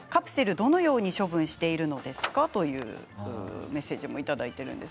どのように処分しているのですか？というメッセージもいただいています。